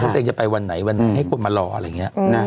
ตัวเองจะไปวันไหนวันไหนให้คนมารออะไรอย่างนี้